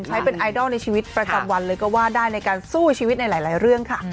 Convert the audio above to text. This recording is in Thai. ใช้เป็นไอดอลในชีวิตประจำวันเลยก็ว่าได้ในการสู้ชีวิตในหลายเรื่องค่ะ